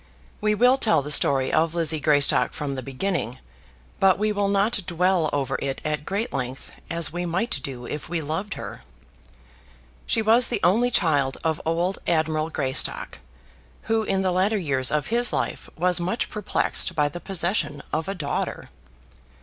We will tell the story of Lizzie Greystock from the beginning, but we will not dwell over it at great length, as we might do if we loved her. She was the only child of old Admiral Greystock, who in the latter years of his life was much perplexed by the possession of a daughter.